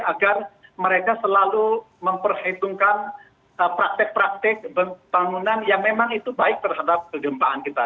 agar mereka selalu memperhitungkan praktek praktek bangunan yang memang itu baik terhadap kegempaan kita